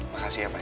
makasih ya pak